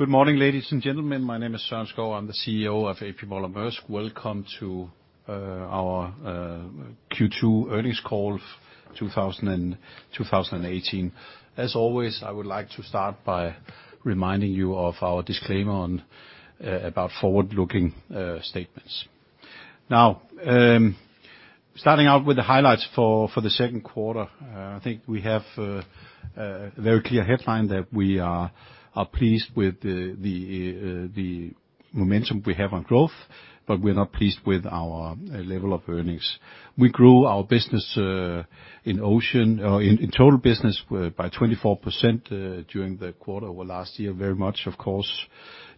Good morning, ladies and gentlemen. My name is Søren Skou. I'm the CEO of A.P. Moller-Maersk. Welcome to our Q2 earnings call 2018. As always, I would like to start by reminding you of our disclaimer about forward-looking statements. Now, starting out with the highlights for the second quarter. I think we have a very clear headline that we are pleased with the momentum we have on growth, but we're not pleased with our level of earnings. We grew our business in ocean, in total business, by 24% during the quarter over last year, very much, of course,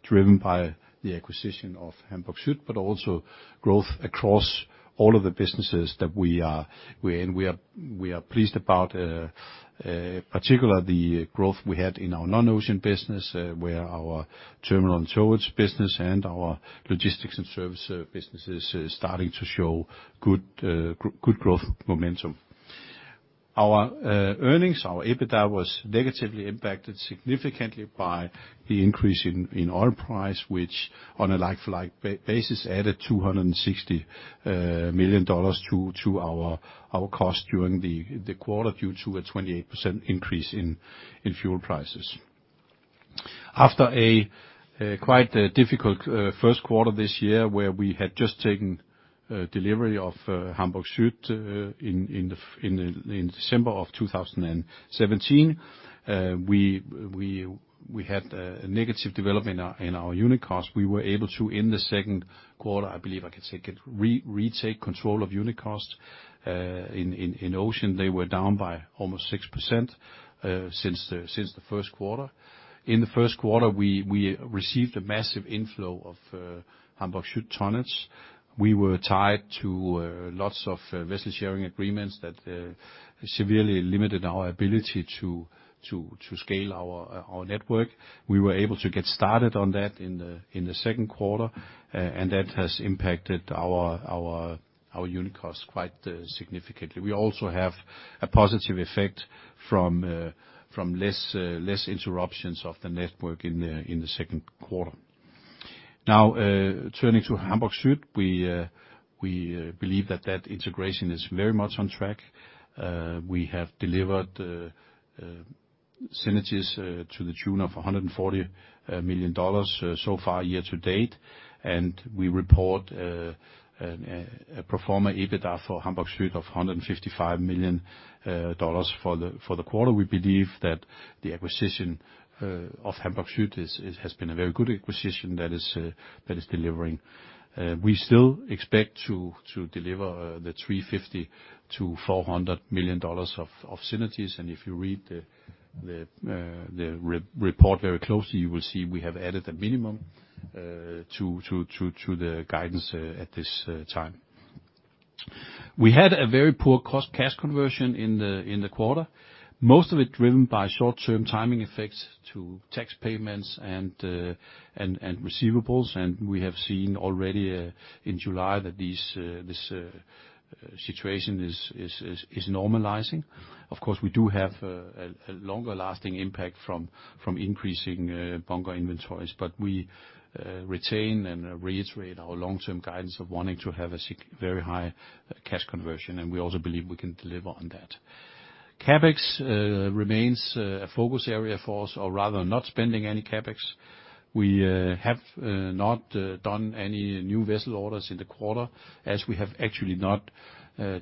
driven by the acquisition of Hamburg Süd, but also growth across all of the businesses that we are in. We are pleased about, particular, the growth we had in our non-ocean business, where our terminal and storage business and our logistics and service businesses are starting to show good growth momentum. Our earnings, our EBITDA, was negatively impacted significantly by the increase in oil price, which, on a like-for-like basis, added $260 million to our cost during the quarter due to a 28% increase in fuel prices. After a quite difficult first quarter this year, where we had just taken delivery of Hamburg Süd in December of 2017, we had a negative development in our unit cost. We were able to, in the second quarter, I believe I can say, retake control of unit cost. In ocean, they were down by almost 6% since the first quarter. In the first quarter, we received a massive inflow of Hamburg Süd tonnage. We were tied to lots of vessel-sharing agreements that severely limited our ability to scale our network. We were able to get started on that in the second quarter, and that has impacted our unit cost quite significantly. We also have a positive effect from less interruptions of the network in the second quarter. Now, turning to Hamburg Süd, we believe that that integration is very much on track. We have delivered synergies to the tune of $140 million so far year to date, and we report a pro forma EBITDA for Hamburg Süd of $155 million for the quarter. We believe that the acquisition of Hamburg Süd has been a very good acquisition that is delivering. We still expect to deliver the $350 million to $400 million of synergies, and if you read the report very closely, you will see we have added a minimum to the guidance at this time. We had a very poor cost cash conversion in the quarter, most of it driven by short-term timing effects to tax payments and receivables, and we have seen already in July that this situation is normalizing. Of course, we do have a longer-lasting impact from increasing bunker inventories, but we retain and reiterate our long-term guidance of wanting to have a very high cash conversion, and we also believe we can deliver on that. CapEx remains a focus area for us, or rather, not spending any CapEx. We have not done any new vessel orders in the quarter, as we have actually not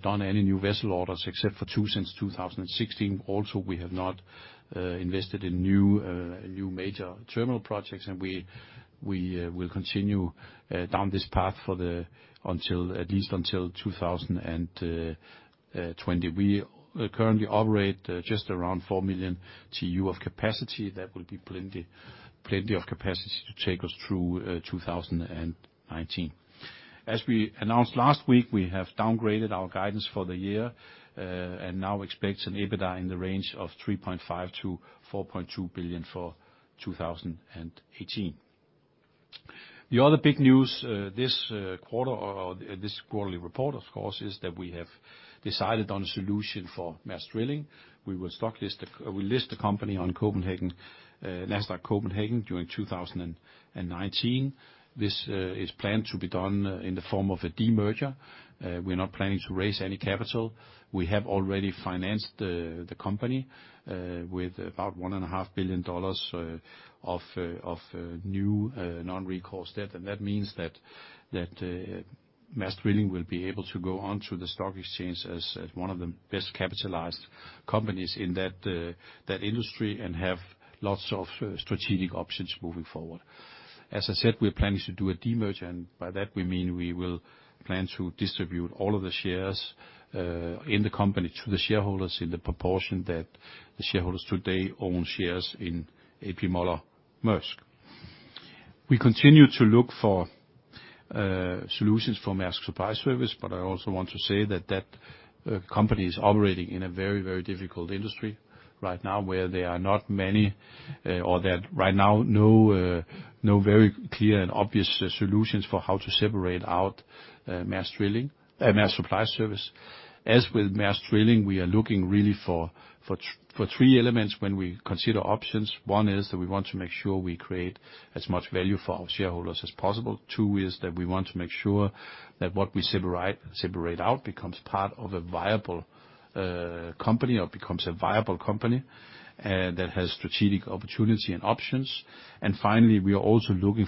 done any new vessel orders except for two since 2016. Also, we have not invested in new major terminal projects, and we will continue down this path at least until 2020. We currently operate just around 4 million TEU of capacity. That will be plenty of capacity to take us through 2019. As we announced last week, we have downgraded our guidance for the year and now expect an EBITDA in the range of $3.5 billion to $4.2 billion for 2018. The other big news this quarter, or this quarterly report, of course, is that we have decided on a solution for Maersk Drilling. We will list the company on Nasdaq Copenhagen during 2019. This is planned to be done in the form of a demerger. We're not planning to raise any capital. We have already financed the company with about $1.5 billion of new non-recourse debt. That means that Maersk Drilling will be able to go onto the stock exchange as one of the best capitalized companies in that industry and have lots of strategic options moving forward. As I said, we are planning to do a demerger, and by that, we mean we will plan to distribute all of the shares in the company to the shareholders in the proportion that the shareholders today own shares in A.P. Moller-Maersk. We continue to look for solutions for Maersk Supply Service, but I also want to say that that company is operating in a very, very difficult industry right now, where there are not many, or that right now, no very clear and obvious solutions for how to separate out Maersk Supply Service. As with Maersk Drilling, we are looking really for three elements when we consider options. One is that we want to make sure we create as much value for our shareholders as possible. Two is that we want to make sure that what we separate out becomes part of a viable company or becomes a viable company, that has strategic opportunity and options. Finally, we are also looking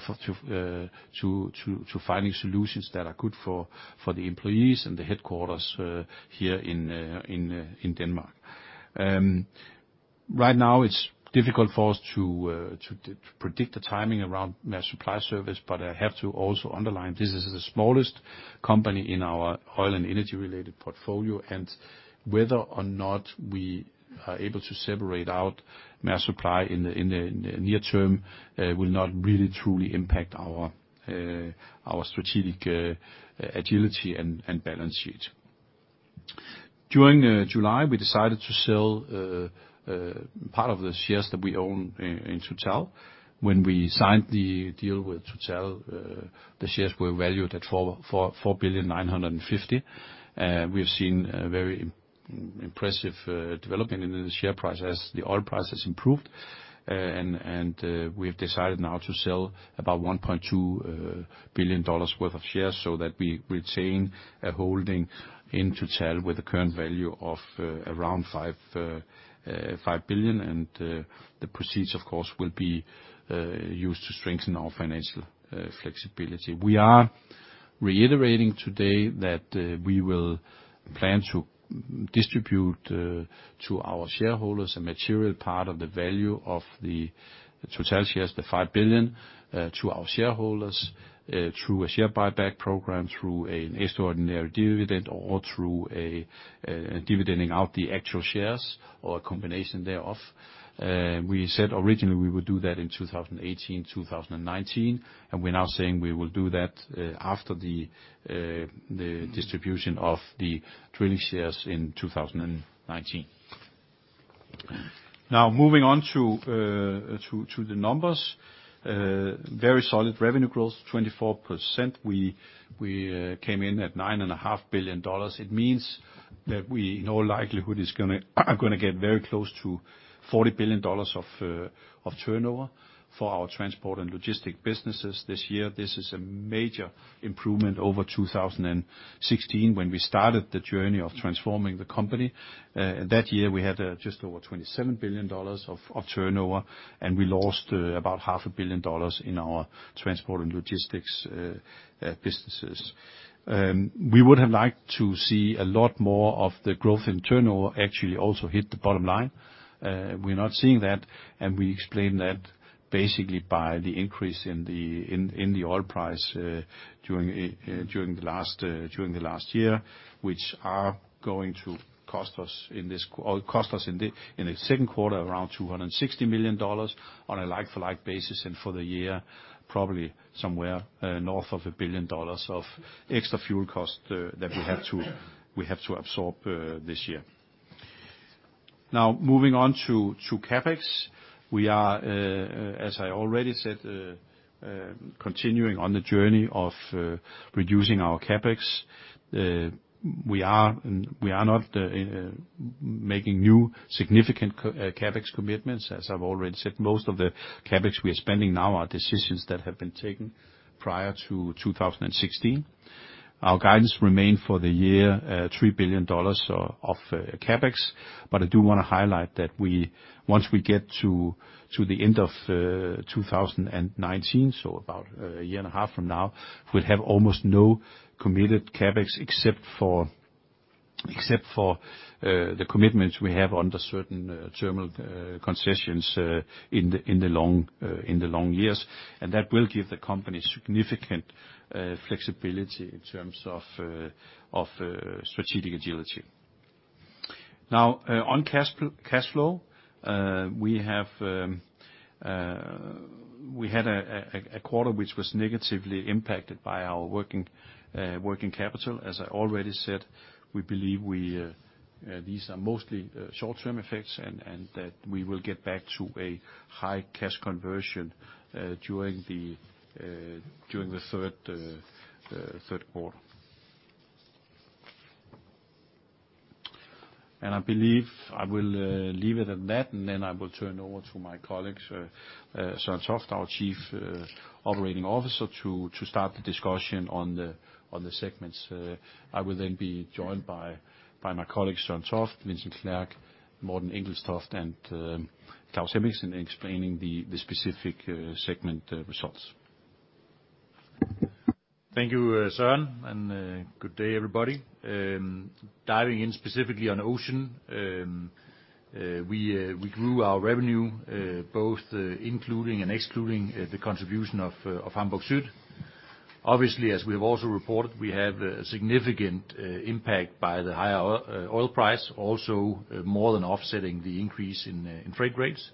to finding solutions that are good for the employees and the headquarters here in Denmark. Right now, it's difficult for us to predict the timing around Maersk Supply Service, but I have to also underline, this is the smallest company in our oil and energy-related portfolio, and whether or not we are able to separate out Maersk Supply in the near term, will not really truly impact our strategic agility and balance sheet. During July, we decided to sell part of the shares that we own in Total. When we signed the deal with Total, the shares were valued at $4.95 billion. We have seen a very impressive development in the share price as the oil price has improved. We have decided now to sell about $1.2 billion worth of shares so that we retain a holding in Total with a current value of around $5 billion. The proceeds, of course, will be used to strengthen our financial flexibility. We are reiterating today that we will plan to distribute to our shareholders a material part of the value of the Total shares, the $5 billion, to our shareholders through a share buyback program, through an extraordinary dividend, or through dividending out the actual shares, or a combination thereof. We said originally we would do that in 2018, 2019, and we're now saying we will do that after the distribution of the drilling shares in 2019. Moving on to the numbers. Very solid revenue growth, 24%. We came in at $9.5 billion. It means that we, in all likelihood, are going to get very close to $40 billion of turnover for our transport and logistic businesses this year. This is a major improvement over 2016, when we started the journey of transforming the company. That year, we had just over $27 billion of turnover, and we lost about half a billion dollars in our transport and logistics businesses. We would have liked to see a lot more of the growth in turnover actually also hit the bottom line. We're not seeing that, and we explain that basically by the increase in the oil price during the last year, which are going to cost us in the second quarter around $260 million on a like-for-like basis, and for the year, probably somewhere north of a billion dollars of extra fuel cost that we have to absorb this year. Moving on to CapEx. We are, as I already said, continuing on the journey of reducing our CapEx. We are not making new significant CapEx commitments. As I've already said, most of the CapEx we are spending now are decisions that have been taken prior to 2016. Our guidance remain for the year, $3 billion of CapEx, but I do want to highlight that once we get to the end of 2019, so about a year and a half from now, we'll have almost no committed CapEx except for the commitments we have under certain terminal concessions in the long years. That will give the company significant flexibility in terms of strategic agility. On cash flow. We had a quarter which was negatively impacted by our working capital. As I already said, we believe these are mostly short-term effects, and that we will get back to a high cash conversion during the third quarter. I believe I will leave it at that, and then I will turn over to my colleague, Søren Toft, our Chief Operating Officer, to start the discussion on the segments. I will be joined by my colleagues, Søren Toft, Vincent Clerc, Morten Engelstoft, and Claus Hemmingsen, explaining the specific segment results. Thank you, Søren. Good day, everybody. Diving in specifically on Ocean. We grew our revenue, both including and excluding the contribution of Hamburg Süd. Obviously, as we have also reported, we have a significant impact by the higher oil price, also more than offsetting the increase in freight rates.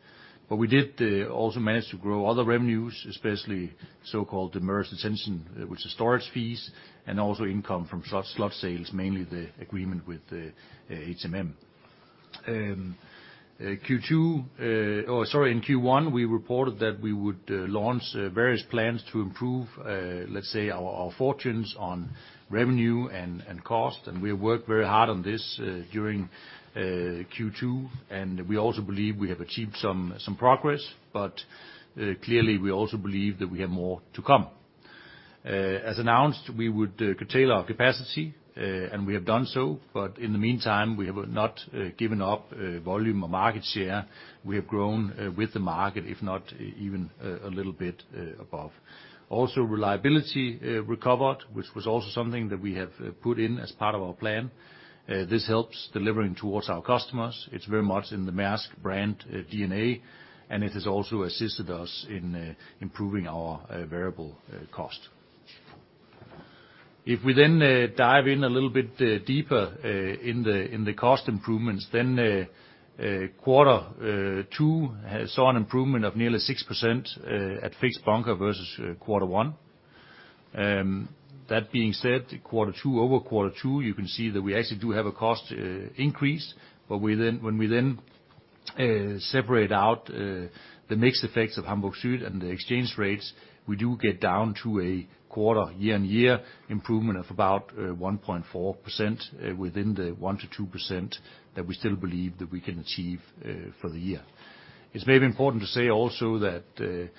We did also manage to grow other revenues, especially so-called Maersk detention, which is storage fees and also income from slot sales, mainly the agreement with HMM. In Q1, we reported that we would launch various plans to improve, let's say, our fortunes on revenue and cost. We have worked very hard on this during Q2. We also believe we have achieved some progress, but clearly, we also believe that we have more to come. As announced, we would curtail our capacity, and we have done so, but in the meantime, we have not given up volume or market share. We have grown with the market, if not even a little bit above. Also, reliability recovered, which was also something that we have put in as part of our plan. This helps delivering towards our customers. It's very much in the Maersk brand DNA, and it has also assisted us in improving our variable cost. If we then dive in a little bit deeper in the cost improvements, quarter two saw an improvement of nearly 6% at fixed bunker versus quarter one. That being said, over quarter two, you can see that we actually do have a cost increase, but when we then separate out the mixed effects of Hamburg Süd and the exchange rates, we do get down to a quarter year-on-year improvement of about 1.4% within the 1%-2% that we still believe that we can achieve for the year. It's maybe important to say also that the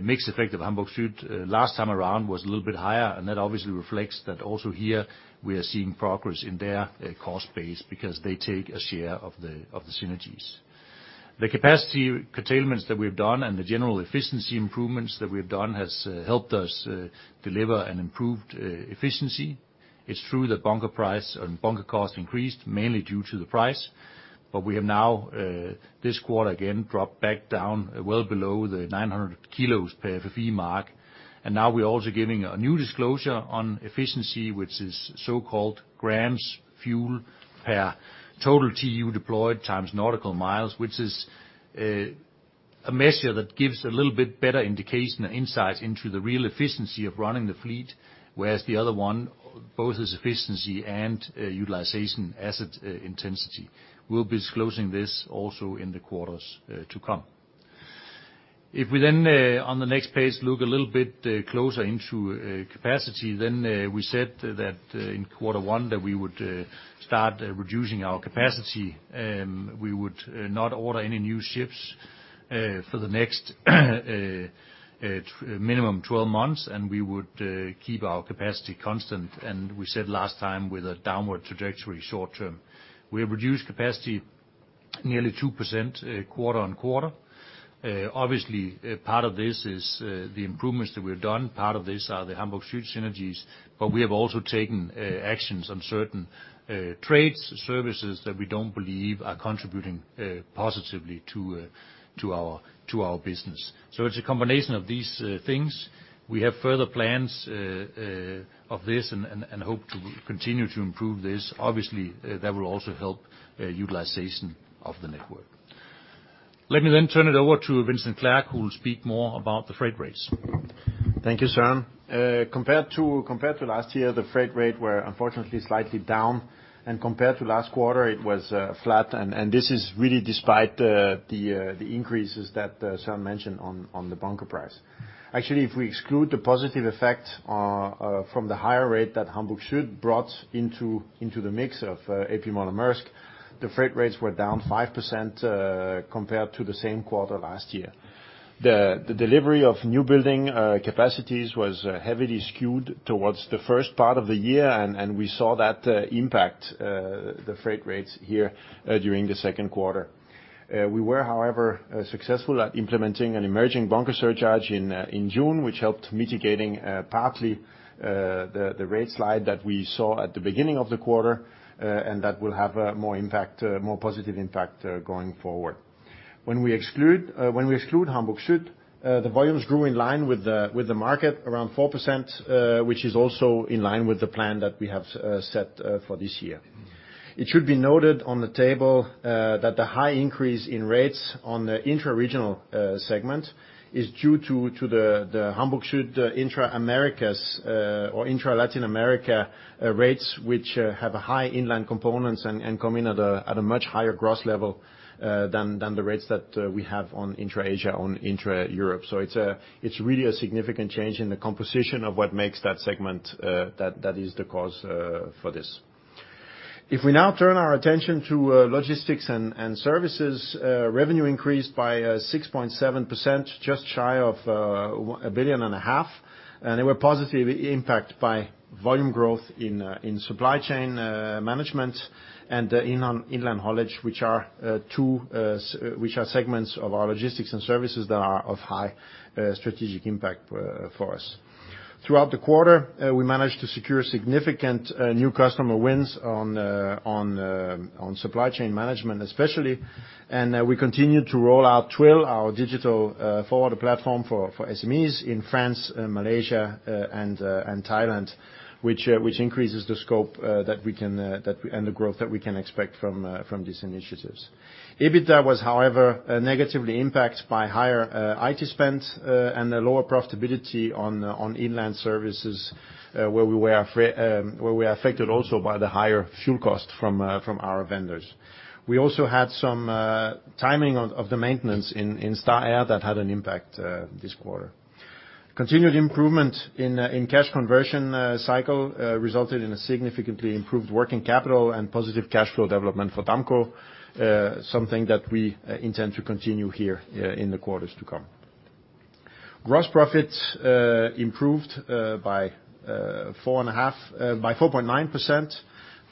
mixed effect of Hamburg Süd last time around was a little bit higher, and that obviously reflects that also here, we are seeing progress in their cost base because they take a share of the synergies. The capacity curtailments that we've done and the general efficiency improvements that we've done has helped us deliver an improved efficiency. It's true that bunker price and bunker cost increased mainly due to the price. We have now, this quarter again, dropped back down well below the 900 kilos per FEU mark. Now we're also giving a new disclosure on efficiency, which is so-called grams fuel per total TEU deployed times nautical miles, which is a measure that gives a little bit better indication and insight into the real efficiency of running the fleet, whereas the other one, both as efficiency and utilization asset intensity. We'll be disclosing this also in the quarters to come. If we then, on the next page, look a little bit closer into capacity, we said that in quarter one that we would start reducing our capacity. We would not order any new ships for the next minimum 12 months, and we would keep our capacity constant, and we said last time with a downward trajectory short term. We have reduced capacity nearly 2% quarter-on-quarter. Obviously, part of this is the improvements that we've done. Part of this are the Hamburg Süd synergies, but we have also taken actions on certain trades services that we don't believe are contributing positively to our business. It's a combination of these things. We have further plans of this and hope to continue to improve this. Obviously, that will also help utilization of the network. Let me then turn it over to Vincent Clerc, who will speak more about the freight rates. Thank you, Søren. Compared to last year, the freight rates were unfortunately slightly down, and compared to last quarter, it was flat, and this is really despite the increases that Søren mentioned on the bunker price. Actually, if we exclude the positive effect from the higher rate that Hamburg Süd brought into the mix of A.P. Moller - Maersk, the freight rates were down 5% compared to the same quarter last year. The delivery of new building capacities was heavily skewed towards the first part of the year, and we saw that impact the freight rates here during the second quarter. We were, however, successful at implementing an emerging bunker surcharge in June, which helped mitigating partly the rate slide that we saw at the beginning of the quarter, and that will have a more positive impact going forward. When we exclude Hamburg Süd, the volumes grew in line with the market around 4%, which is also in line with the plan that we have set for this year. It should be noted on the table that the high increase in rates on the intra-regional segment is due to the Hamburg Süd intra-Latin America rates, which have a high inland component and come in at a much higher gross level than the rates that we have on intra-Asia, on intra-Europe. It's really a significant change in the composition of what makes that segment that is the cause for this. If we now turn our attention to logistics and services, revenue increased by 6.7%, just shy of a billion and a half, and they were positively impacted by volume growth in supply chain management and inland haulage, which are segments of our logistics and services that are of high strategic impact for us. Throughout the quarter, we managed to secure significant new customer wins on supply chain management especially, and we continued to roll out Twill, our digital forward platform for SMEs in France, Malaysia, and Thailand, which increases the scope and the growth that we can expect from these initiatives. EBITDA was, however, negatively impacted by higher IT spend and a lower profitability on inland services where we are affected also by the higher fuel cost from our vendors. We also had some timing of the maintenance in Star Air that had an impact this quarter. Continued improvement in cash conversion cycle resulted in a significantly improved working capital and positive cash flow development for Damco. Something that we intend to continue here in the quarters to come. Gross profit improved by 4.9%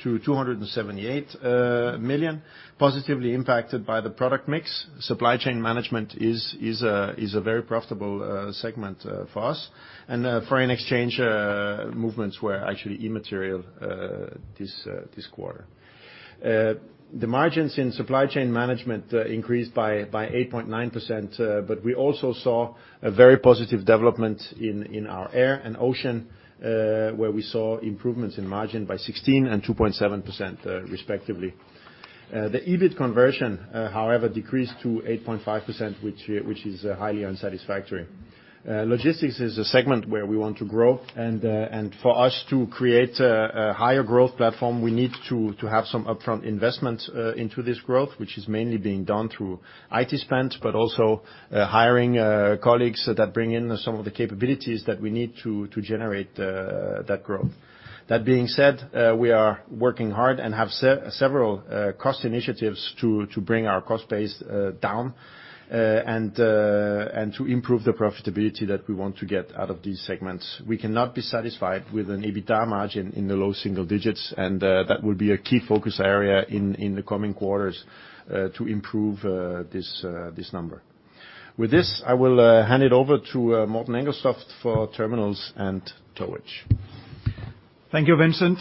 to $278 million, positively impacted by the product mix. Supply chain management is a very profitable segment for us. Foreign exchange movements were actually immaterial this quarter. The margins in supply chain management increased by 8.9%, but we also saw a very positive development in our air and ocean, where we saw improvements in margin by 16% and 2.7% respectively. The EBIT conversion, however, decreased to 8.5%, which is highly unsatisfactory. Logistics is a segment where we want to grow. For us to create a higher growth platform, we need to have some upfront investment into this growth, which is mainly being done through IT spend, but also hiring colleagues that bring in some of the capabilities that we need to generate that growth. That being said, we are working hard and have several cost initiatives to bring our cost base down to improve the profitability that we want to get out of these segments. We cannot be satisfied with an EBITDA margin in the low single digits. That will be a key focus area in the coming quarters to improve this number. With this, I will hand it over to Morten Engelstoft for Terminals and Towage. Thank you, Vincent.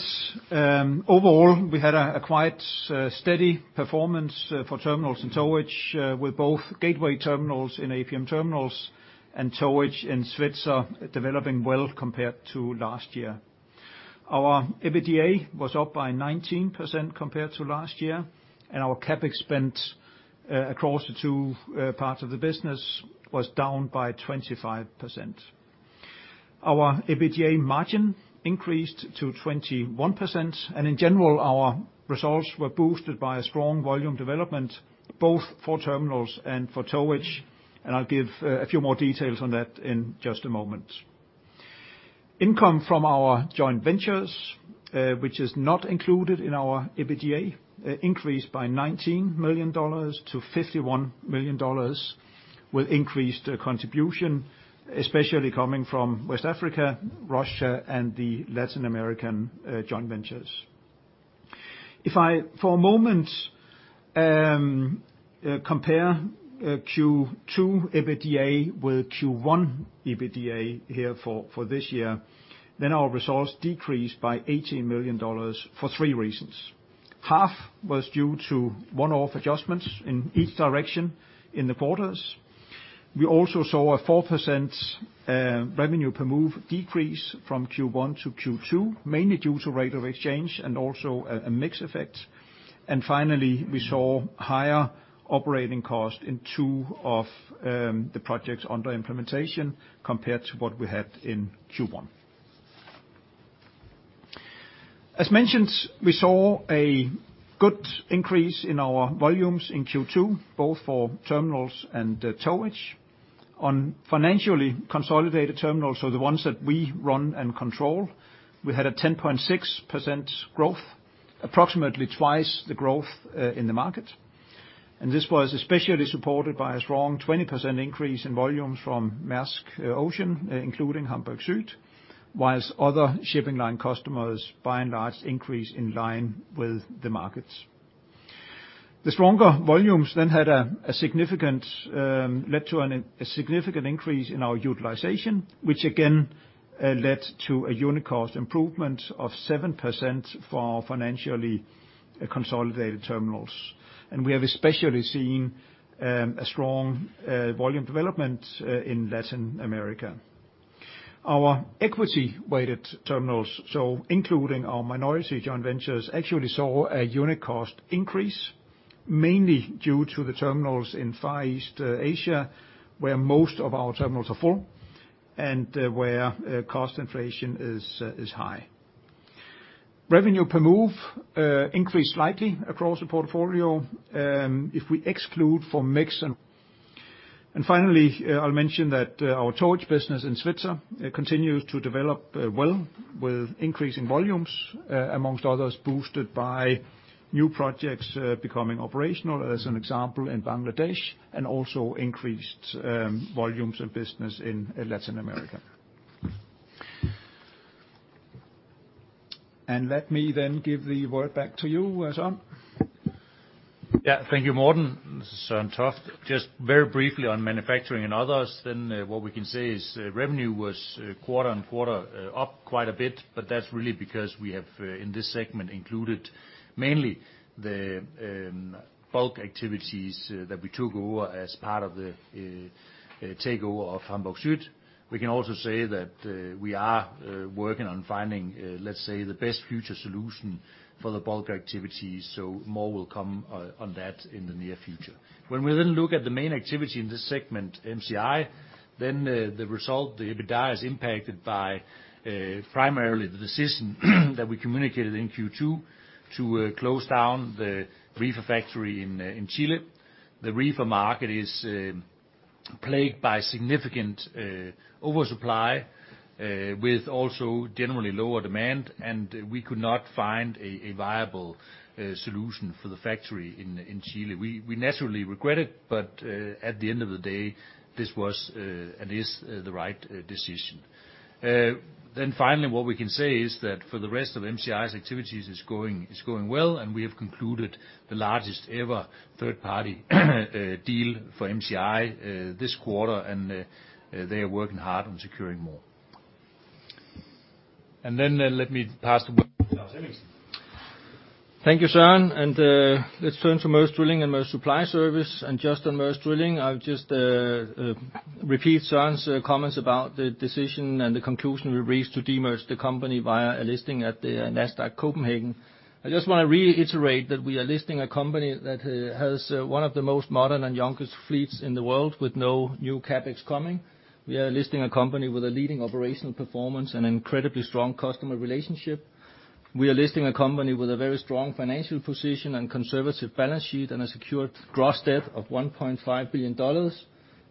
Overall, we had a quite steady performance for terminals and towage with both gateway terminals in APM Terminals and towage in Svitzer developing well compared to last year. Our EBITDA was up by 19% compared to last year. Our CapEx spend across the two parts of the business was down by 25%. Our EBITDA margin increased to 21%. In general, our results were boosted by a strong volume development, both for terminals and for towage. I'll give a few more details on that in just a moment. Income from our joint ventures, which is not included in our EBITDA, increased by $19 million to $51 million, with increased contribution, especially coming from West Africa, Russia, and the Latin American joint ventures. If I, for a moment, compare Q2 EBITDA with Q1 EBITDA here for this year, our results decreased by $18 million for three reasons. Half was due to one-off adjustments in each direction in the quarters. We also saw a 4% revenue per move decrease from Q1 to Q2, mainly due to rate of exchange and also a mix effect. Finally, we saw higher operating cost in two of the projects under implementation compared to what we had in Q1. As mentioned, we saw a good increase in our volumes in Q2, both for terminals and towage. On financially consolidated terminals, so the ones that we run and control, we had a 10.6% growth, approximately twice the growth in the market. This was especially supported by a strong 20% increase in volumes from Maersk Ocean, including Hamburg Süd, whilst other shipping line customers by and large increased in line with the markets. The stronger volumes then led to a significant increase in our utilization, which again led to a unit cost improvement of 7% for financially consolidated terminals. We have especially seen a strong volume development in Latin America. Our equity weighted terminals, so including our minority joint ventures, actually saw a unit cost increase, mainly due to the terminals in Far East Asia, where most of our terminals are full and where cost inflation is high. Revenue per move increased slightly across the portfolio if we exclude for mix. Finally, I'll mention that our towage business in Svitzer continues to develop well with increasing volumes, amongst others, boosted by new projects becoming operational, as an example, in Bangladesh, also increased volumes of business in Latin America. Let me then give the word back to you, Søren. Yeah, thank you, Morten. This is Søren Toft. Just very briefly on manufacturing and others, what we can say is revenue was quarter-on-quarter up quite a bit, that's really because we have, in this segment, included mainly the bulk activities that we took over as part of the takeover of Hamburg Süd. We can also say that we are working on finding, let's say, the best future solution for the bulk activities, more will come on that in the near future. When we then look at the main activity in this segment, MCI The result, the EBITDA, is impacted by primarily the decision that we communicated in Q2 to close down the reefer factory in Chile. The reefer market is plagued by significant oversupply with also generally lower demand, we could not find a viable solution for the factory in Chile. We naturally regret it, at the end of the day, this was and is the right decision. Finally, what we can say is that for the rest of MCI's activities, it's going well we have concluded the largest ever third-party deal for MCI this quarter, they are working hard on securing more. Let me pass the to Lars Emilersen. Thank you, Søren. Let's turn to Maersk Drilling and Maersk Supply Service. Just on Maersk Drilling, I'll just repeat Søren's comments about the decision and the conclusion we've reached to de-merge the company via a listing at the Nasdaq Copenhagen. I just want to reiterate that we are listing a company that has one of the most modern and youngest fleets in the world, with no new CapEx coming. We are listing a company with a leading operational performance and incredibly strong customer relationship. We are listing a company with a very strong financial position and conservative balance sheet, a secured gross debt of $1.5 billion.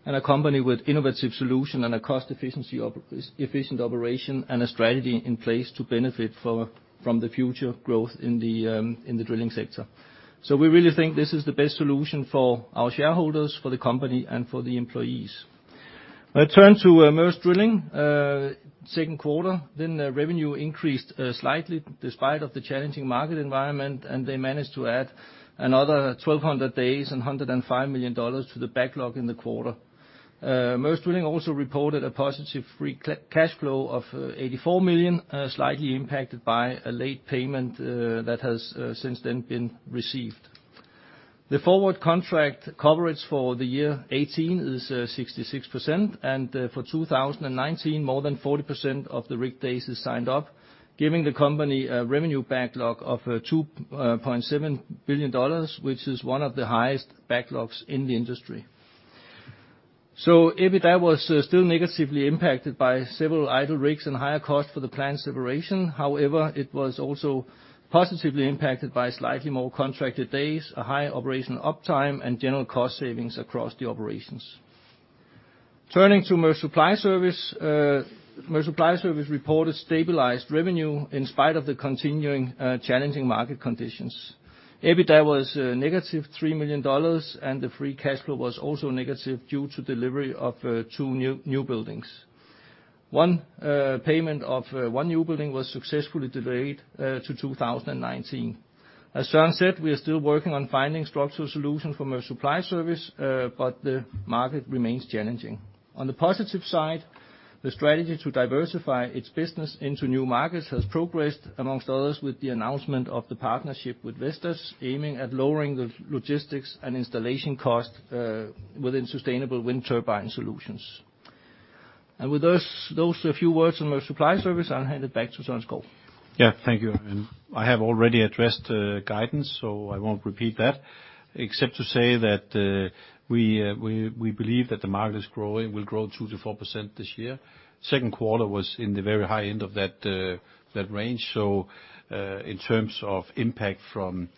A company with innovative solution and a cost efficient operation and a strategy in place to benefit from the future growth in the drilling sector. We really think this is the best solution for our shareholders, for the company, and for the employees. I turn to Maersk Drilling second quarter, revenue increased slightly despite of the challenging market environment, and they managed to add another 1,200 days and $105 million to the backlog in the quarter. Maersk Drilling also reported a positive free cash flow of $84 million, slightly impacted by a late payment that has since then been received. The forward contract coverage for the year 2018 is 66%, and for 2019, more than 40% of the rig days is signed up, giving the company a revenue backlog of $2.7 billion, which is one of the highest backlogs in the industry. EBITDA was still negatively impacted by several idle rigs and higher cost for the planned separation. However, it was also positively impacted by slightly more contracted days, a high operational uptime, and general cost savings across the operations. Turning to Maersk Supply Service. Maersk Supply Service reported stabilized revenue in spite of the continuing challenging market conditions. EBITDA was negative $3 million, and the free cash flow was also negative due to delivery of two new buildings. One payment of one new building was successfully delayed to 2019. As Søren said, we are still working on finding structural solution for Maersk Supply Service, but the market remains challenging. On the positive side, the strategy to diversify its business into new markets has progressed, amongst others, with the announcement of the partnership with Vestas, aiming at lowering the logistics and installation cost within sustainable wind turbine solutions. With those few words on Maersk Supply Service, I'll hand it back to Søren Skou. Yeah. Thank you. I have already addressed the guidance, so I won't repeat that except to say that we believe that the market is growing. We'll grow 2%-4% this year. Second quarter was in the very high end of that range. In terms of impact from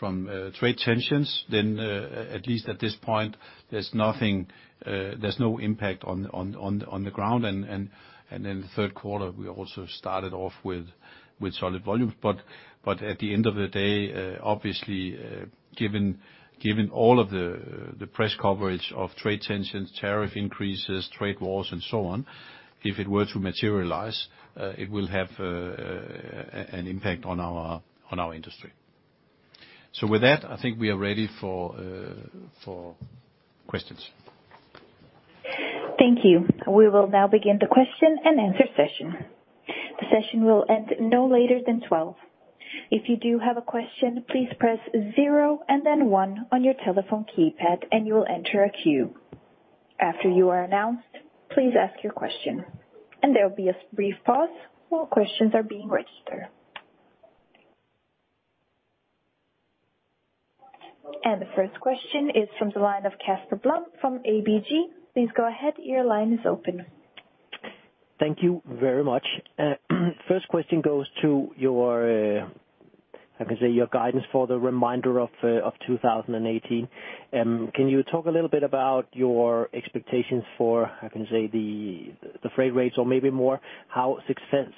trade tensions, at least at this point, there's no impact on the ground. The third quarter, we also started off with solid volumes. At the end of the day, obviously given all of the press coverage of trade tensions, tariff increases, trade wars and so on, if it were to materialize, it will have an impact on our industry. With that, I think we are ready for questions. Thank you. We will now begin the question-and-answer session. The session will end no later than 12:00 P.M. If you do have a question, please press zero and then 1 on your telephone keypad and you will enter a queue. After you are announced, please ask your question. There will be a brief pause while questions are being registered. The first question is from the line of Casper Blom from ABG. Please go ahead, your line is open. Thank you very much. First question goes to your guidance for the remainder of 2018. Can you talk a little bit about your expectations for the freight rates or maybe more how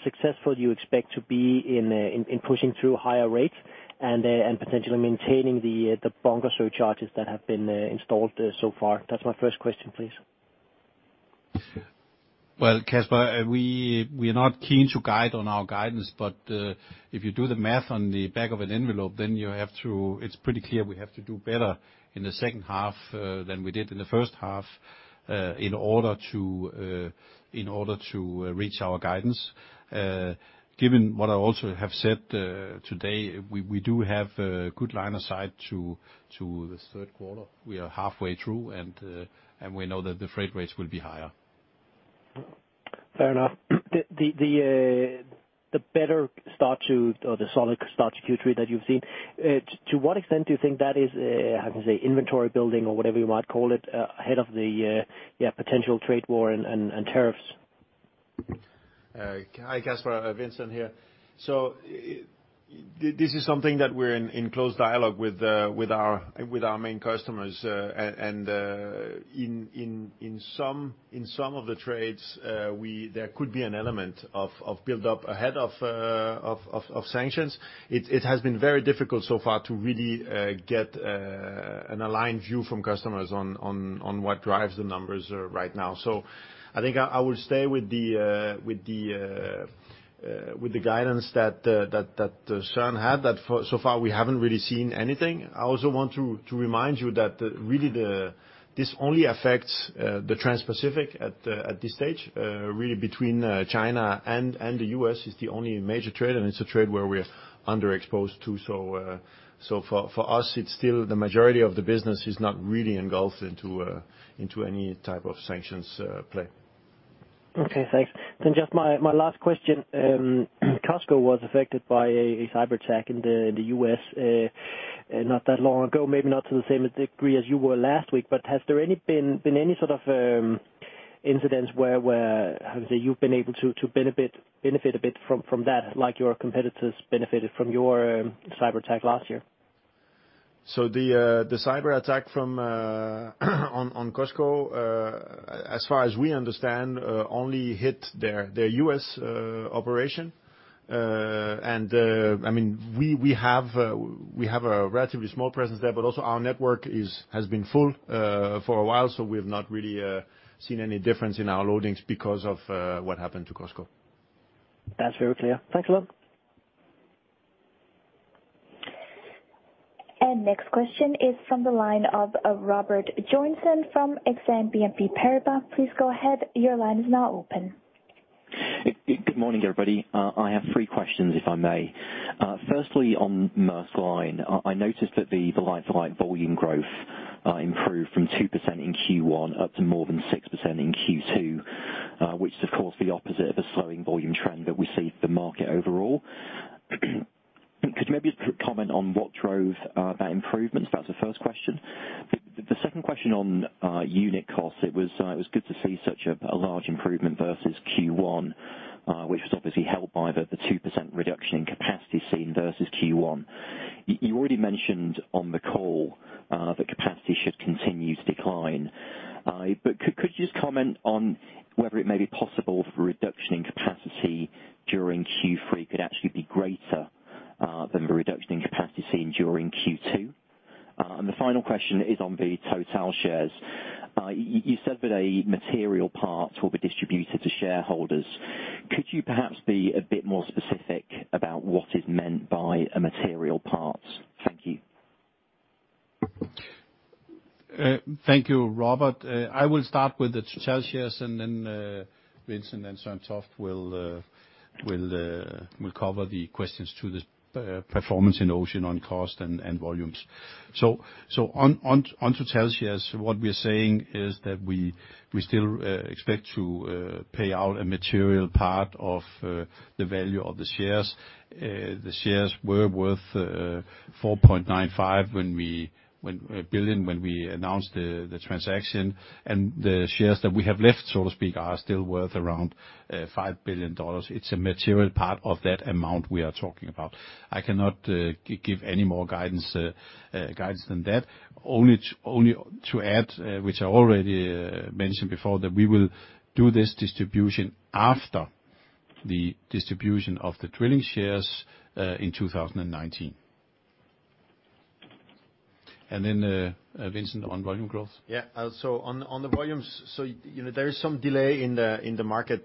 successful you expect to be in pushing through higher rates and potentially maintaining the bunker surcharges that have been installed so far? That's my first question, please. Well, Casper, we are not keen to guide on our guidance, but if you do the math on the back of an envelope, then it's pretty clear we have to do better in the second half than we did in the first half in order to reach our guidance. Given what I also have said today, we do have a good line of sight to this third quarter. We are halfway through. We know that the freight rates will be higher. Fair enough. The better start to, or the solid start to Q3 that you've seen, to what extent do you think that is inventory building or whatever you might call it, ahead of the potential trade war and tariffs? Hi, Casper. Vincent here. This is something that we're in close dialogue with our main customers. In some of the trades, there could be an element of build up ahead of sanctions. It has been very difficult so far to really get an aligned view from customers on what drives the numbers right now. I think I will stay with the guidance that Søren had, that so far we haven't really seen anything. I also want to remind you that really, this only affects the Trans-Pacific at this stage, really between China and the U.S. is the only major trade, and it's a trade where we're underexposed to. For us, it's still the majority of the business is not really engulfed into any type of sanctions play. Okay, thanks. Just my last question. COSCO was affected by a cyber attack in the U.S. not that long ago, maybe not to the same degree as you were last week, has there been any sort of incidents where, how to say, you've been able to benefit a bit from that, like your competitors benefited from your cyber attack last year? The cyber attack on COSCO, as far as we understand, only hit their U.S. operation. We have a relatively small presence there, also our network has been full for a while, we've not really seen any difference in our loadings because of what happened to COSCO. That's very clear. Thanks a lot. Next question is from the line of Robert Joynson from Exane BNP Paribas. Please go ahead. Your line is now open. Good morning, everybody. I have three questions, if I may. Firstly, on Maersk Line. I noticed that the like-for-like volume growth improved from 2% in Q1 up to more than 6% in Q2, which is, of course, the opposite of a slowing volume trend that we see with the market overall. Could you maybe comment on what drove that improvement? That's the first question. The second question on unit cost, it was good to see such a large improvement versus Q1, which was obviously helped by the 2% reduction in capacity seen versus Q1. You already mentioned on the call that capacity should continue to decline. Could you just comment on whether it may be possible for a reduction in capacity during Q3 could actually be greater than the reduction in capacity seen during Q2? The final question is on the Total shares. You said that a material part will be distributed to shareholders. Could you perhaps be a bit more specific about what is meant by a material part? Thank you. Thank you, Robert. I will start with the Total shares and then Vincent and Søren Toft will cover the questions to the performance in ocean on cost and volumes. On Total shares, what we're saying is that we still expect to pay out a material part of the value of the shares. The shares were worth $4.95 billion when we announced the transaction, and the shares that we have left, so to speak, are still worth around $5 billion. It's a material part of that amount we are talking about. I cannot give any more guidance than that. Only to add, which I already mentioned before, that we will do this distribution after the distribution of the drilling shares in 2019. Then, Vincent, on volume growth. On the volumes, there is some delay in the market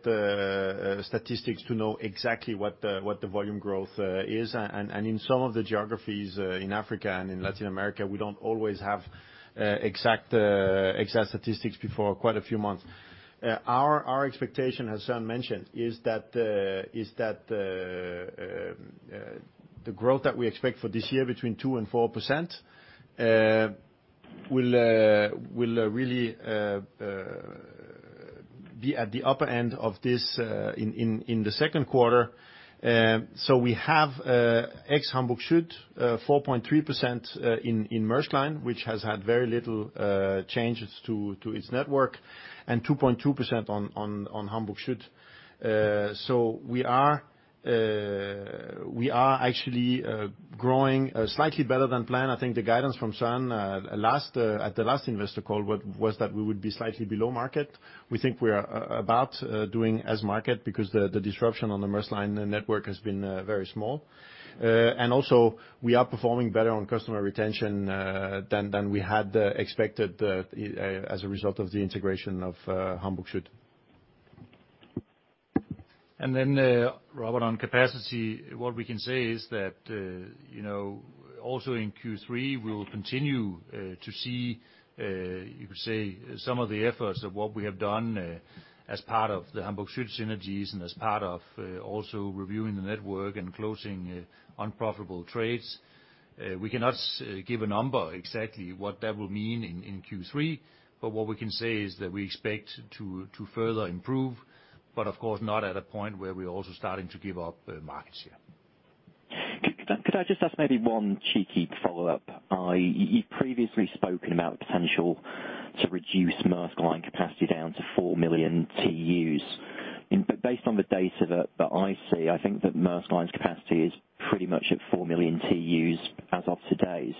statistics to know exactly what the volume growth is. In some of the geographies in Africa and in Latin America, we don't always have exact statistics before quite a few months. Our expectation, as Søren mentioned, is that the growth that we expect for this year between 2% and 4%, will really be at the upper end of this in the second quarter. We have ex Hamburg Süd 4.3% in Maersk Line, which has had very little changes to its network, and 2.2% on Hamburg Süd. We are actually growing slightly better than planned. I think the guidance from Søren at the last investor call was that we would be slightly below market. We think we are about doing as market, because the disruption on the Maersk Line network has been very small. We are performing better on customer retention than we had expected as a result of the integration of Hamburg Süd. Robert, on capacity, what we can say is that, also in Q3, we will continue to see, you could say, some of the efforts of what we have done as part of the Hamburg Süd synergies and as part of also reviewing the network and closing unprofitable trades. We cannot give a number exactly what that will mean in Q3, but what we can say is that we expect to further improve, but of course, not at a point where we're also starting to give up markets here. Could I just ask maybe one cheeky follow-up? You've previously spoken about potential to reduce Maersk Line capacity down to 4 million TEUs. Based on the data that I see, I think that Maersk Line's capacity is pretty much at 4 million TEUs as of today.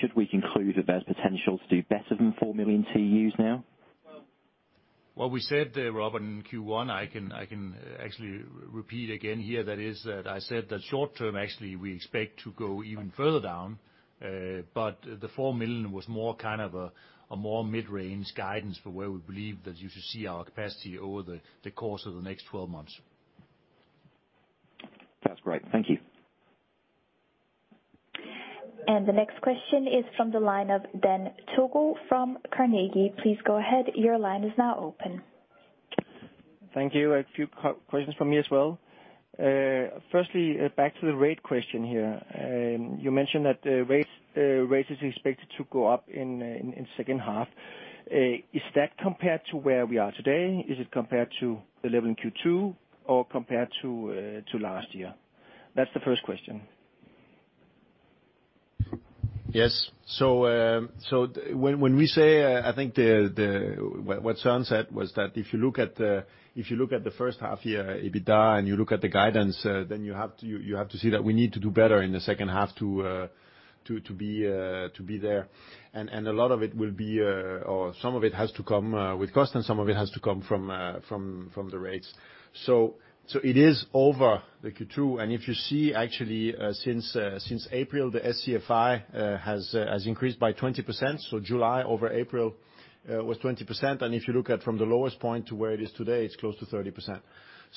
Should we conclude that there's potential to do better than 4 million TEUs now? Well, we said, Robert, Q1, I can actually repeat again here, that is, that I said that short-term, actually, we expect to go even further down. The 4 million was more a more mid-range guidance for where we believe that you should see our capacity over the course of the next 12 months. That's great. Thank you. The next question is from the line of Dan Togo from Carnegie. Please go ahead. Your line is now open. Thank you. A few questions from me as well. Firstly, back to the rate question here. You mentioned that rates is expected to go up in second half. Is that compared to where we are today? Is it compared to the level in Q2, or compared to last year? That's the first question. Yes. When we say, I think what Søren said was that if you look at the first half-year EBITDA, and you look at the guidance, then you have to see that we need to do better in the second half to be there. A lot of it will be, or some of it has to come with cost, and some of it has to come from the rates. It is over the Q2, and if you see, actually, since April, the SCFI has increased by 20%. July over April was 20%, and if you look at from the lowest point to where it is today, it's close to 30%.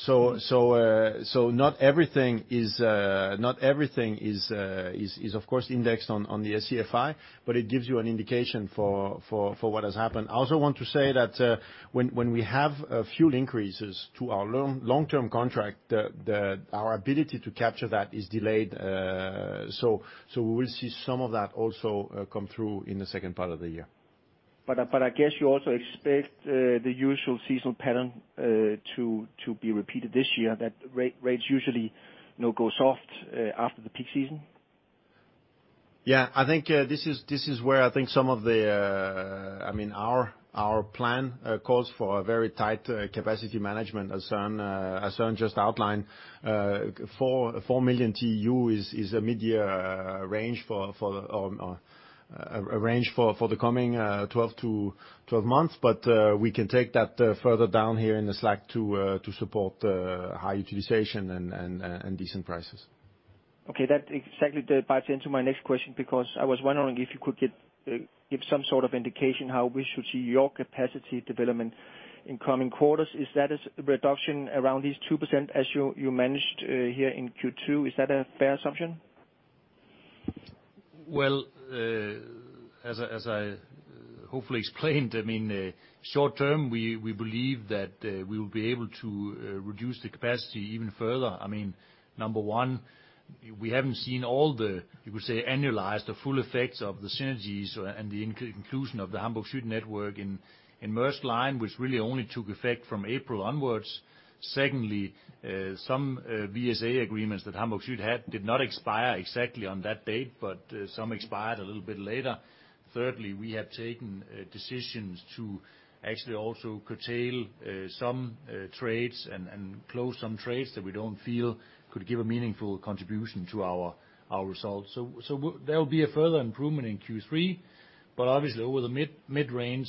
Not everything is of course, indexed on the SCFI, but it gives you an indication for what has happened. I also want to say that when we have fuel increases to our long-term contract, our ability to capture that is delayed. We will see some of that also come through in the second part of the year. I guess you also expect the usual seasonal pattern to be repeated this year, that rates usually go soft after the peak season? Our plan calls for a very tight capacity management, as Søren just outlined. 4 million TEU is a mid-year range for the coming 12 months. We can take that further down here in the slack to support high utilization and decent prices. Okay. That exactly bites into my next question because I was wondering if you could give some sort of indication how we should see your capacity development in coming quarters. Is that a reduction around this 2% as you managed here in Q2? Is that a fair assumption? Well, as I hopefully explained short-term, we believe that we will be able to reduce the capacity even further. Number one, we haven't seen all the, you could say, annualized or full effects of the synergies and the inclusion of the Hamburg Süd network in Maersk Line, which really only took effect from April onwards. Some VSA agreements that Hamburg Süd had did not expire exactly on that date, but some expired a little bit later. We have taken decisions to actually also curtail some trades and close some trades that we don't feel could give a meaningful contribution to our results. There will be a further improvement in Q3, but obviously over the mid-range,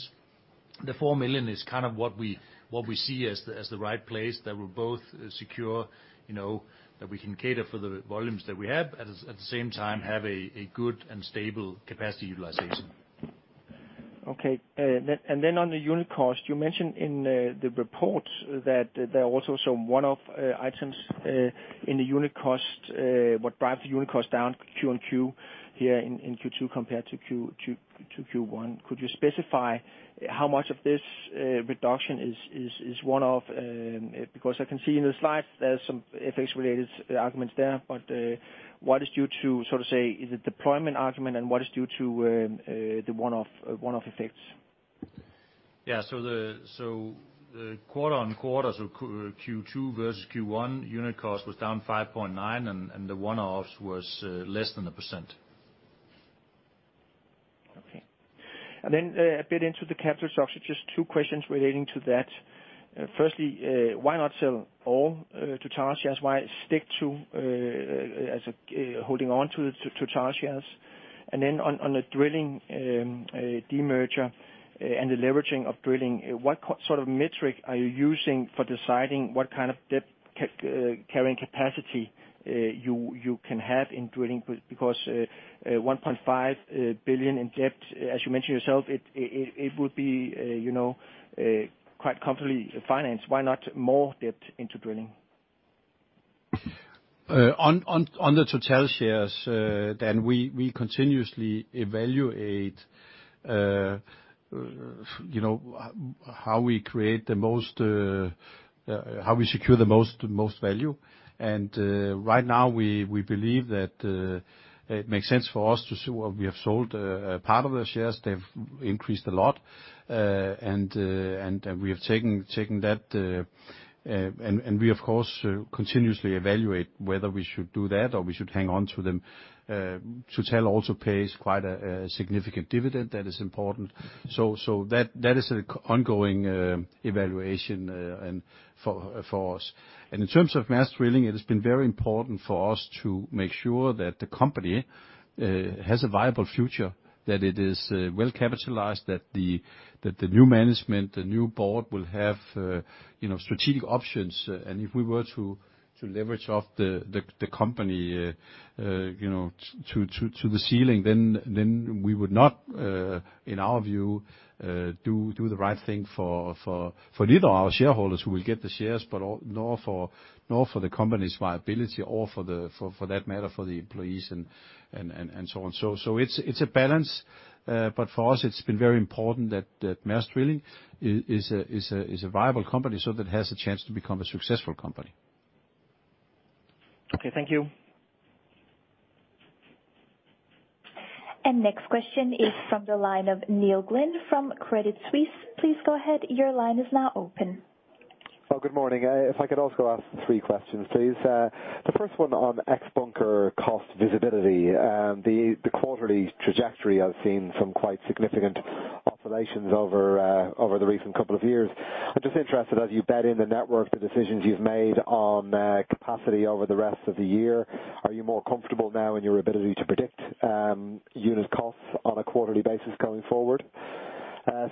the 4 million is what we see as the right place that will both secure that we can cater for the volumes that we have, at the same time, have a good and stable capacity utilization. Okay. On the unit cost, you mentioned in the report that there are also some one-off items in the unit cost, what drives the unit cost down Q-on-Q here in Q2 compared to Q1. Could you specify how much of this reduction is one-off? Because I can see in the slides there's some FX related arguments there, but what is due to, so to say, a deployment argument and what is due to the one-off effects? Yeah. The quarter-on-quarter, Q2 versus Q1, unit cost was down 5.9%, and the one-offs was less than 1%. Okay. A bit into the capital structure, just two questions relating to that. Firstly, why not sell all Total shares? Why stick to holding onto Total shares? On the drilling demerger and the leveraging of drilling, what sort of metric are you using for deciding what kind of debt carrying capacity you can have in drilling? $1.5 billion in debt, as you mentioned yourself, it would be quite comfortably financed. Why not more debt into drilling? On the Total shares, we continuously evaluate how we secure the most value. Right now, we believe that it makes sense for us to sell. We have sold a part of the shares. They've increased a lot. We, of course, continuously evaluate whether we should do that or we should hang on to them. Total also pays quite a significant dividend that is important. That is an ongoing evaluation for us. In terms of Maersk Drilling, it has been very important for us to make sure that the company has a viable future, that it is well-capitalized, that the new management, the new board will have strategic options. If we were to leverage off the company to the ceiling, then we would not, in our view, do the right thing for neither our shareholders who will get the shares, nor for the company's viability or, for that matter, for the employees and so on. It's a balance. For us, it's been very important that Maersk Drilling is a viable company, so that it has a chance to become a successful company. Okay, thank you. Next question is from the line of Neil Glynn from Credit Suisse. Please go ahead. Your line is now open. Good morning. If I could also ask three questions, please. The first one on ex bunker cost visibility. The quarterly trajectory, I've seen some quite significant oscillations over the recent couple of years. I'm just interested, as you bed in the network, the decisions you've made on capacity over the rest of the year, are you more comfortable now in your ability to predict unit costs on a quarterly basis going forward?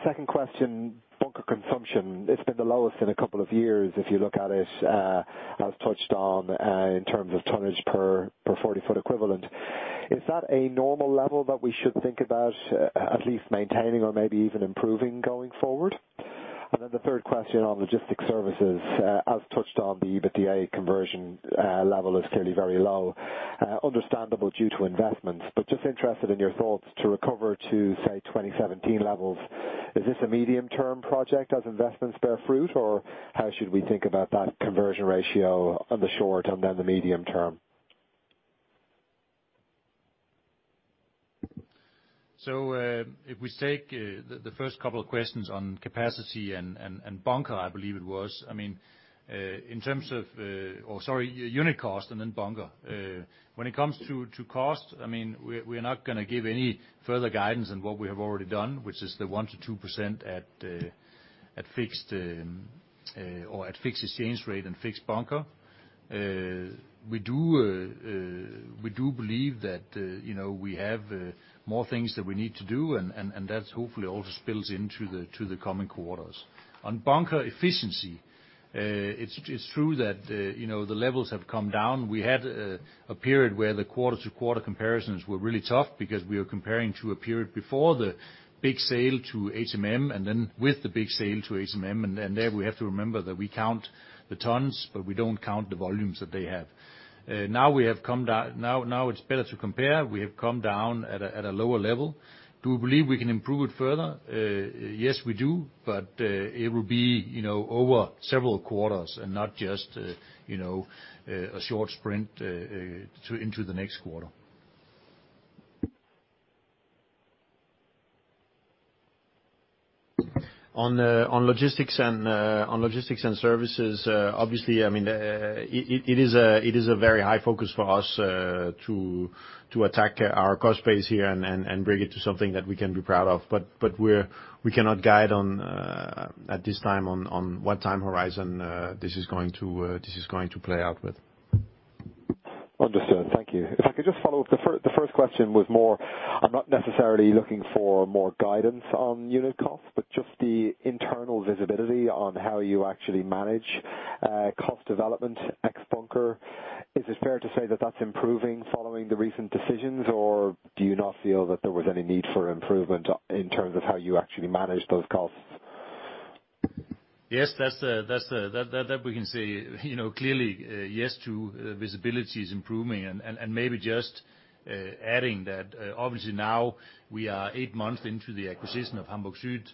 Second question, bunker consumption. It's been the lowest in a couple of years, if you look at it, as touched on in terms of tonnage per 40-foot equivalent. Is that a normal level that we should think about at least maintaining or maybe even improving going forward? The third question on logistics services. As touched on the EBITDA conversion level is clearly very low, understandable due to investments. Just interested in your thoughts to recover to, say, 2017 levels. Is this a medium-term project as investments bear fruit? How should we think about that conversion ratio on the short and then the medium term? If we take the first couple of questions on capacity and bunker, I believe it was. Sorry, unit cost and then bunker. When it comes to cost, we're not going to give any further guidance on what we have already done, which is the 1%-2% at fixed exchange rate and fixed bunker. We do believe that we have more things that we need to do, and that hopefully also spills into the coming quarters. On bunker efficiency, it's true that the levels have come down. We had a period where the quarter-to-quarter comparisons were really tough because we are comparing to a period before the big sale to HMM, and then with the big sale to HMM. There we have to remember that we count the tons, but we don't count the volumes that they have. Now it's better to compare. We have come down at a lower level. Do we believe we can improve it further? Yes, we do, but it will be over several quarters and not just a short sprint into the next quarter. On logistics and services, obviously, it is a very high focus for us to attack our cost base here and bring it to something that we can be proud of. We cannot guide at this time on what time horizon this is going to play out with. Understood. Thank you. If I could just follow up, the first question was more, I'm not necessarily looking for more guidance on unit cost, but just the internal visibility on how you actually manage cost development ex bunker. Is it fair to say that that's improving following the recent decisions? Do you not feel that there was any need for improvement in terms of how you actually manage those costs? Yes, that we can say clearly yes to visibility is improving, and maybe just adding that obviously now we are eight months into the acquisition of Hamburg Süd.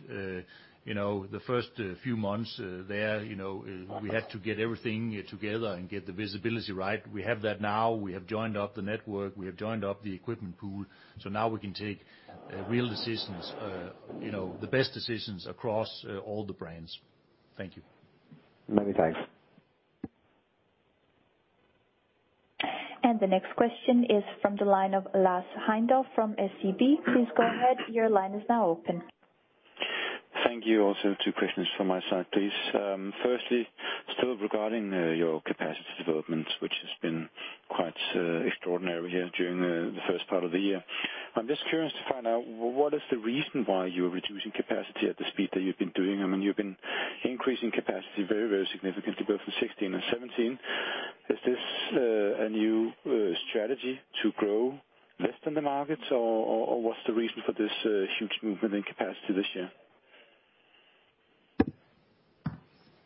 The first few months there, we had to get everything together and get the visibility right. We have that now. We have joined up the network. We have joined up the equipment pool. Now we can take real decisions, the best decisions across all the brands. Thank you. Many thanks. The next question is from the line of Lars Heindorff from SEB. Please go ahead. Your line is now open. Thank you. Also, two questions from my side, please. Firstly, still regarding your capacity development, which has been quite extraordinary during the first part of the year. I'm just curious to find out what is the reason why you're reducing capacity at the speed that you've been doing. You've been increasing capacity very significantly, both in 2016 and 2017. Is this a new strategy to grow less than the markets? What's the reason for this huge movement in capacity this year?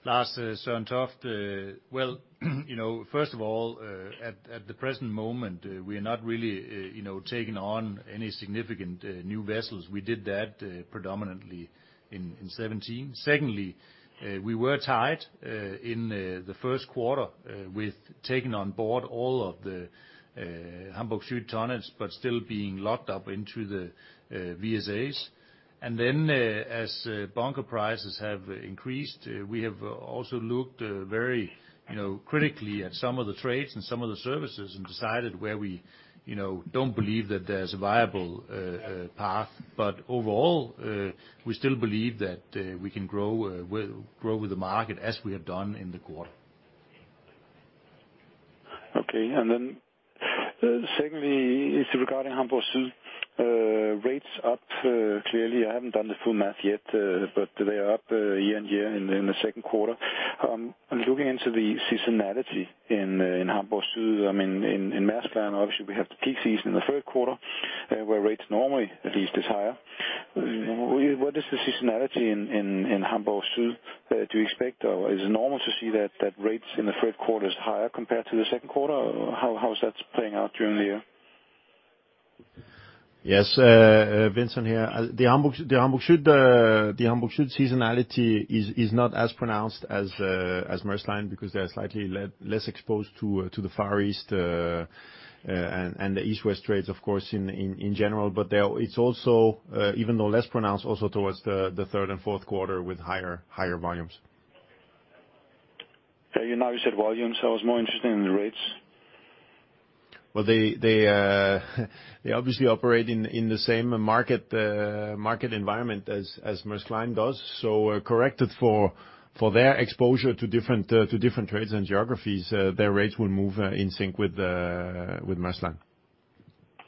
Lars Søren Toft. Well, first of all, at the present moment, we are not really taking on any significant new vessels. We did that predominantly in 2017. Secondly, we were tied in the first quarter with taking on board all of the Hamburg Süd tonnage, but still being locked up into the VSAs. Then as bunker prices have increased, we have also looked very critically at some of the trades and some of the services and decided where we don't believe that there's a viable path. Overall, we still believe that we can grow with the market as we have done in the quarter. Okay. Secondly, it's regarding Hamburg Süd. Rates up, clearly, I haven't done the full math yet, but they are up year-on-year in the second quarter. Looking into the seasonality in Hamburg Süd, in Maersk Line, obviously, we have the peak season in the third quarter, where rates normally at least is higher. What is the seasonality in Hamburg Süd? Do you expect, or is it normal to see that rates in the third quarter is higher compared to the second quarter? How is that playing out during the year? Yes. Vincent here. The Hamburg Süd seasonality is not as pronounced as Maersk Line because they're slightly less exposed to the Far East and the East West trades of course, in general. It's also, even though less pronounced, also towards the third and fourth quarter with higher volumes. Now you said volumes, I was more interested in the rates. Well, they obviously operate in the same market environment as Maersk Line does. Corrected for their exposure to different trades and geographies, their rates will move in sync with Maersk Line.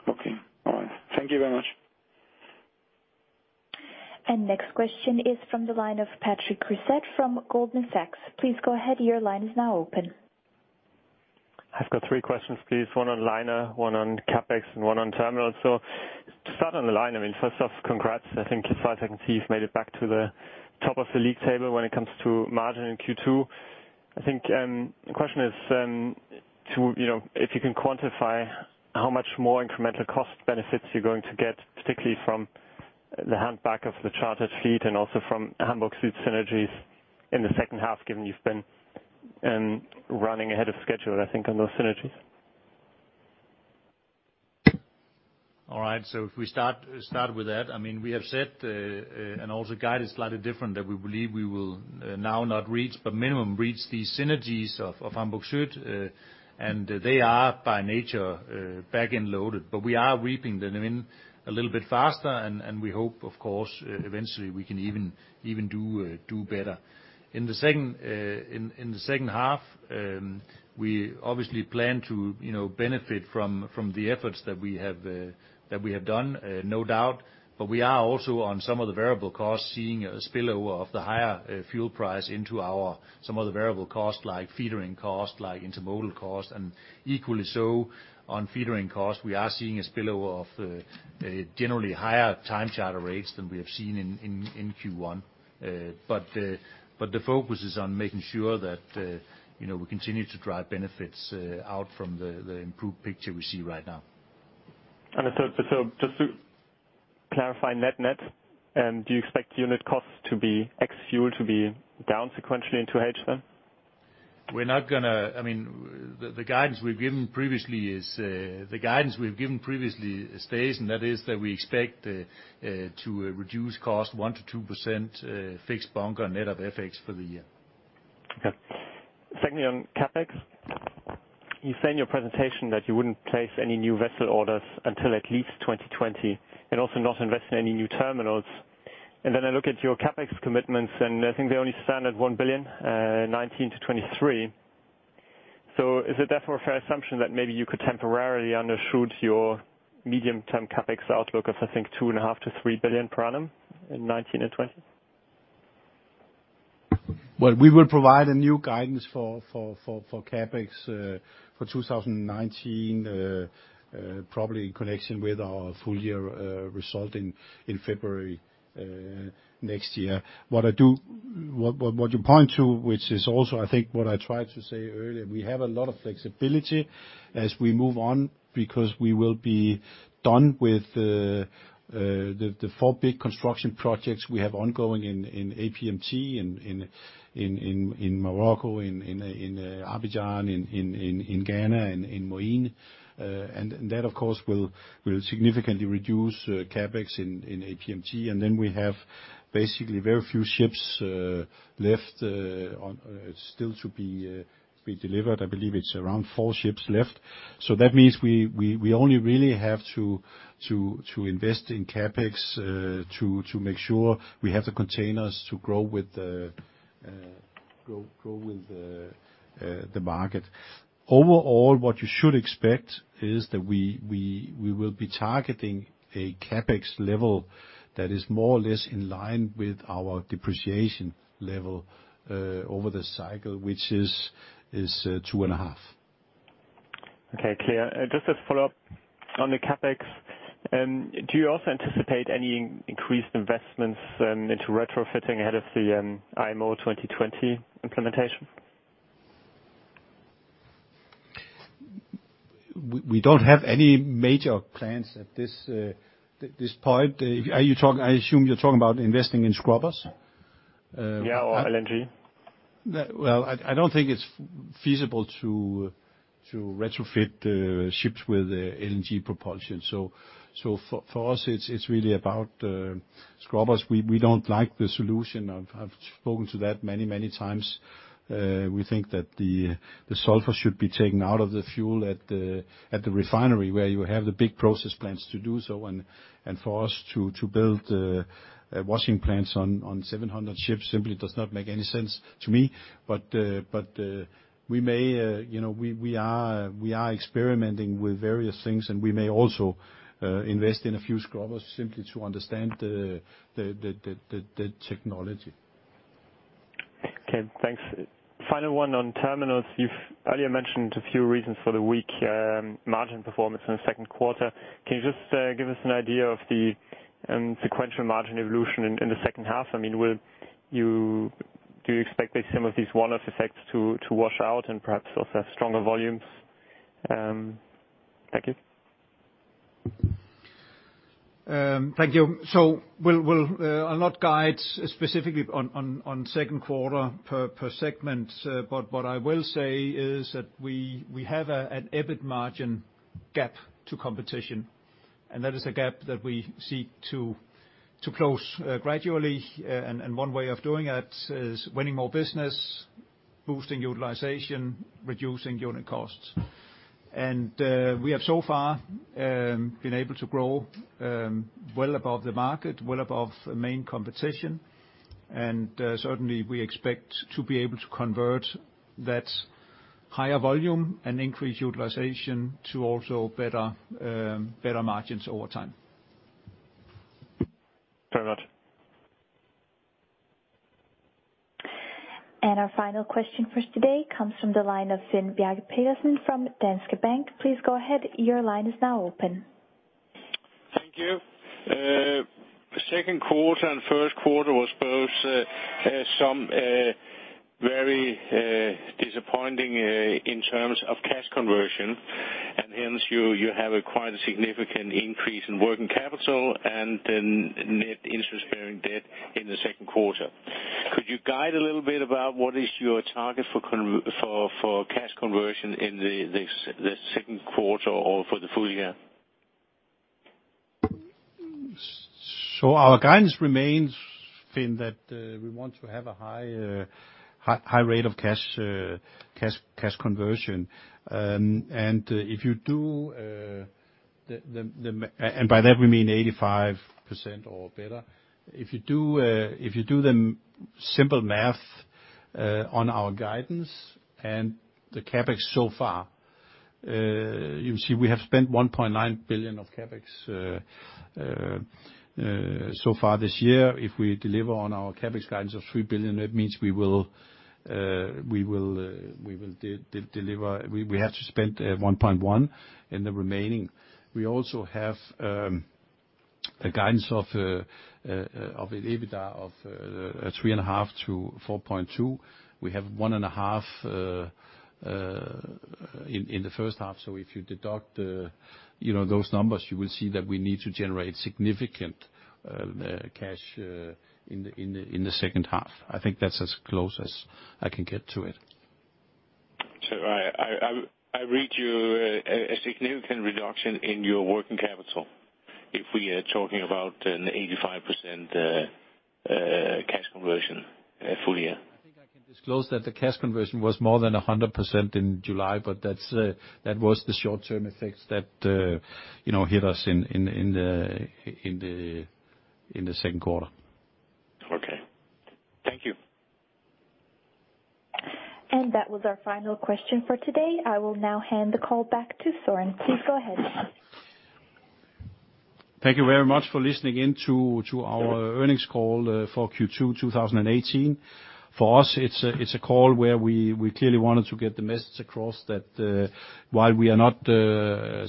Okay. All right. Thank you very much. Next question is from the line of Patrick Creuset from Goldman Sachs. Please go ahead. Your line is now open. I've got three questions, please. One on liner, one on CapEx, and one on terminals. To start on the liner, first off, congrats. I think as far as I can see, you've made it back to the top of the league table when it comes to margin in Q2. I think the question is if you can quantify how much more incremental cost benefits you're going to get, particularly from the hand-back of the chartered fleet and also from Hamburg Süd synergies in the second half, given you've been running ahead of schedule, I think, on those synergies. All right. If we start with that, we have said, and also guided slightly different, that we believe we will now not reach, but minimum reach these synergies of Hamburg Süd, and they are by nature back-end loaded. We are reaping them in a little bit faster, and we hope, of course, eventually we can even do better. In the second half, we obviously plan to benefit from the efforts that we have done, no doubt. We are also on some of the variable costs, seeing a spill-over of the higher fuel price into some of the variable costs like feedering cost, like intermodal cost, and equally so on feedering cost, we are seeing a spill-over of generally higher time charter rates than we have seen in Q1. The focus is on making sure that we continue to drive benefits out from the improved picture we see right now. Understood. Just to clarify net net, do you expect unit costs to be ex fuel to be down sequentially in 2H then? The guidance we've given previously stays, that is that we expect to reduce cost 1%-2% fixed bunker net of FX for the year. Okay. Secondly, on CapEx, you say in your presentation that you wouldn't place any new vessel orders until at least 2020 and also not invest in any new terminals. Then I look at your CapEx commitments, and I think they only stand at $1 billion, 2019-2023. Is it therefore a fair assumption that maybe you could temporarily undershoot your medium-term CapEx outlook of, I think, $2.5 billion-$3 billion per annum in 2019 and 2020? We will provide a new guidance for CapEx for 2019, probably in connection with our full year result in February next year. What you point to, which is also I think what I tried to say earlier, we have a lot of flexibility as we move on because we will be done with the four big construction projects we have ongoing in APMT, in Morocco, in Abidjan, in Ghana, and in Mauritania. That, of course, will significantly reduce CapEx in APMT, and then we have basically very few ships left still to be delivered. I believe it's around four ships left. That means we only really have to invest in CapEx to make sure we have the containers to grow with the market. Overall, what you should expect is that we will be targeting a CapEx level that is more or less in line with our depreciation level over the cycle, which is two and a half. Clear. Just a follow-up on the CapEx. Do you also anticipate any increased investments into retrofitting ahead of the IMO 2020 implementation? We don't have any major plans at this point. I assume you're talking about investing in scrubbers? Yeah, LNG. I don't think it's feasible to retrofit ships with LNG propulsion. For us, it's really about scrubbers. We don't like the solution. I've spoken to that many, many times. We think that the sulfur should be taken out of the fuel at the refinery, where you have the big process plants to do so, and for us to build washing plants on 700 ships simply does not make any sense to me. We are experimenting with various things, and we may also invest in a few scrubbers, simply to understand the technology. Okay, thanks. Final one on terminals. You've earlier mentioned a few reasons for the weak margin performance in the second quarter. Can you just give us an idea of the sequential margin evolution in the second half? Do you expect some of these one-off effects to wash out and perhaps also stronger volumes? Thank you. Thank you. I'll not guide specifically on second quarter per segment. What I will say is that we have an EBIT margin gap to competition, and that is a gap that we seek to close gradually, and one way of doing that is winning more business, boosting utilization, reducing unit costs. We have so far been able to grow well above the market, well above the main competition, and certainly, we expect to be able to convert that higher volume and increase utilization to also better margins over time. Very much. Our final question for today comes from the line of Finn-Bjarke Pedersen from Danske Bank. Please go ahead. Your line is now open. Thank you. Second quarter and first quarter was both some very disappointing in terms of cash conversion, hence, you have acquired a significant increase in working capital and in net interest-bearing debt in the second quarter. Could you guide a little bit about what is your target for cash conversion in the second quarter or for the full year? Our guidance remains, Finn, that we want to have a high rate of cash conversion. By that, we mean 85% or better. If you do the simple math on our guidance and the CapEx so far, you will see we have spent $1.9 billion of CapEx so far this year. If we deliver on our CapEx guidance of $3 billion, that means we have to spend $1.1 in the remaining. We also have a guidance of an EBITDA of $3.5-$4.2. We have $1.5 in the first half. If you deduct those numbers, you will see that we need to generate significant cash in the second half. I think that is as close as I can get to it. I read you a significant reduction in your working capital if we are talking about an 85% cash conversion full year. I think I can disclose that the cash conversion was more than 100% in July, but that was the short-term effects that hit us in the second quarter. Okay. Thank you. That was our final question for today. I will now hand the call back to Søren. Please go ahead. Thank you very much for listening in to our earnings call for Q2 2018. For us, it's a call where we clearly wanted to get the message across that while we are not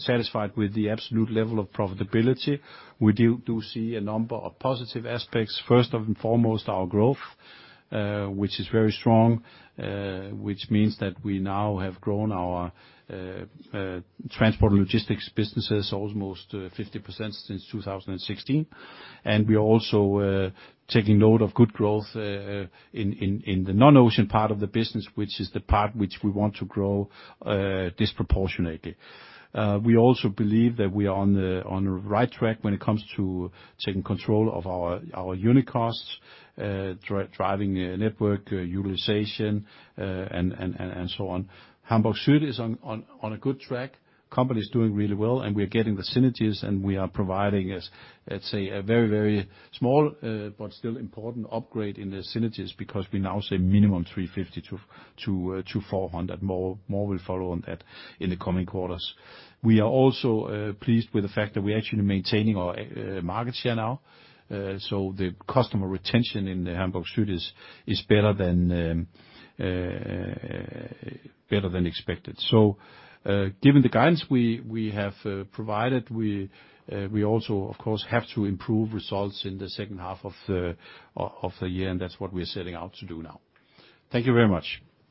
satisfied with the absolute level of profitability, we do see a number of positive aspects. First and foremost, our growth, which is very strong, which means that we now have grown our transport and logistics businesses almost 50% since 2016. We're also taking note of good growth in the non-ocean part of the business, which is the part which we want to grow disproportionately. We also believe that we are on the right track when it comes to taking control of our unit costs, driving network utilization, and so on. Hamburg Süd is on a good track. Company's doing really well, and we are getting the synergies, and we are providing, let's say, a very, very small, but still important upgrade in the synergies because we now say minimum $350 million-$400 million. More will follow on that in the coming quarters. We are also pleased with the fact that we're actually maintaining our market share now. The customer retention in the Hamburg Süd is better than expected. Given the guidance we have provided, we also, of course, have to improve results in the second half of the year, and that's what we're setting out to do now. Thank you very much.